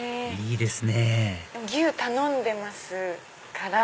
いいですね牛頼んでますから。